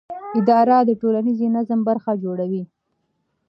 اداره د ټولنیز نظم برخه جوړوي.